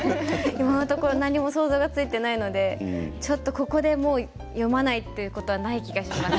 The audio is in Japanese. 今のところ何も想像がついていないので、ちょっとここで読まないということはない気がします。